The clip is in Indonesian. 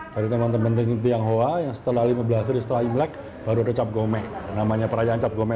dari teman teman yang tionghoa yang setelah lima belas hari setelah imlek baru capgome namanya perayaan capgome